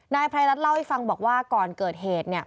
นายไพรรัฐเล่าให้ฟังบอกว่าก่อนเกิดเหตุ